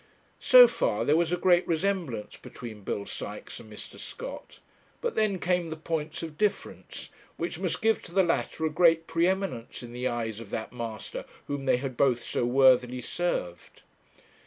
So far there was a great resemblance between Bill Sykes and Mr. Scott; but then came the points of difference, which must give to the latter a great pre eminence in the eyes of that master whom they had both so worthily served.